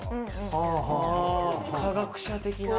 科学者的な。